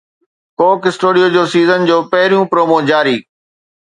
ڪوڪ اسٽوڊيو جو سيزن جو پهريون پرومو جاري